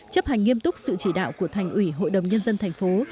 chấp hành nghiêm túc sự chỉ đạo của thành ủy hội đồng nhân dân thành phố